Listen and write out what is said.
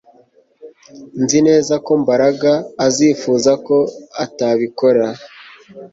Nzi neza ko Mbaraga azifuza ko atabikora